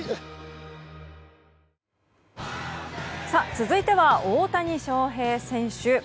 続いては大谷翔平選手。